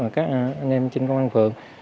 các anh em trên công an phường